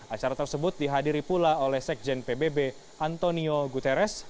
acara tersebut dihadiri pula oleh sekjen pbb antonio guterres